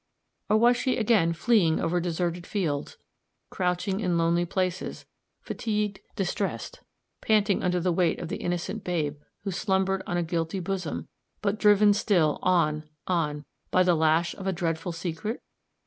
Or was she again fleeing over deserted fields, crouching in lonely places, fatigued, distressed, panting under the weight of the innocent babe who slumbered on a guilty bosom, but driven still, on, on, by the lash of a dreadful secret?